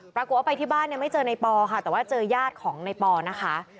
ปรากฏว่าไปที่บ้านเนี่ยไม่เจอในปอค่ะแต่ว่าเจอญาติของในปอนะคะ